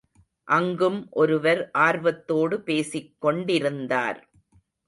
அங்கும் ஒருவர் ஆர்வத்தோடு பேசிக்கொண் டிருந்தார்.